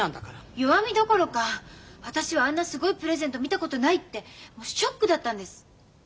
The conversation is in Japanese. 弱みどころか私はあんなすごいプレゼント見たことないってショックだったんです。